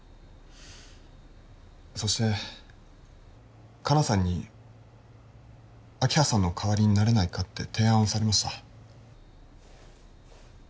そして香菜さんに明葉さんの代わりになれないかって提案をされました